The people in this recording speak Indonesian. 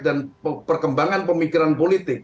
dan perkembangan pemikiran politik